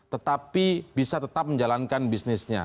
tetapi bisa tetap menjalankan bisnisnya